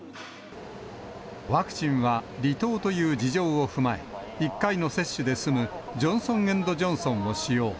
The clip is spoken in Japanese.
ワクチンは離島という事情を踏まえ、１回の接種で済む、ジョンソン・エンド・ジョンソンを使用。